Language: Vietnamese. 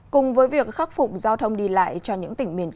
cùng với việc khắc phục giao thông đi lại cho những tỉnh miền trung